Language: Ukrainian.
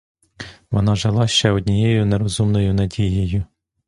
Вона жила ще однією нерозумною надією.